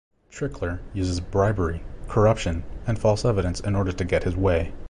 Trickler, uses bribery, corruption, and false evidence in order to get his way.